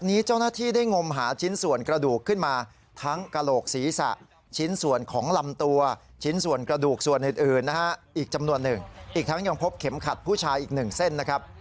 อีกทั้งยังพบเข็มขัดผู้ชายอีกหนึ่งเส้นนะครับ